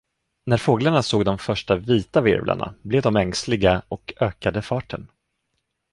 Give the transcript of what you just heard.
När fåglarna såg de första vita virvlarna, blev de ängsliga och ökade farten.